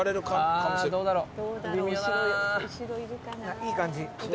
いい感じ。